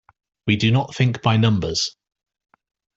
We do not think by numbers.